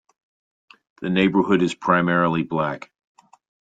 The neighborhood is primarily black.